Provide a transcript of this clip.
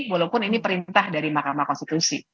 walaupun ini perintah dari mahkamah konstitusi